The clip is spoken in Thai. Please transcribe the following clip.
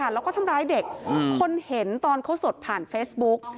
แล้วก็ทำร้ายเด็กคนเห็นตอนเขาสดผ่านเฟซบุ๊ก